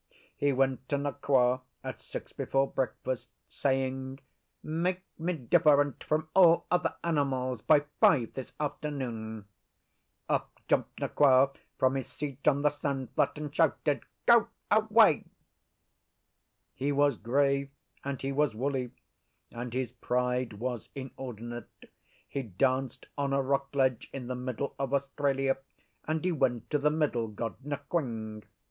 He went to Nqa at six before breakfast, saying, 'Make me different from all other animals by five this afternoon.' Up jumped Nqa from his seat on the sandflat and shouted, 'Go away!' He was grey and he was woolly, and his pride was inordinate: he danced on a rock ledge in the middle of Australia, and he went to the Middle God Nquing.